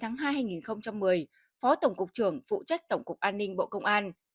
từ tháng một mươi hai chín đến tháng hai một mươi phó tổng cục trưởng phụ trách tổng cục an ninh bộ công an